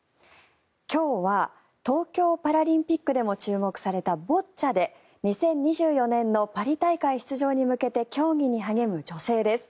今日は東京パラリンピックでも注目されたボッチャで２０２４年のパリ大会出場に向けて競技に励む女性です。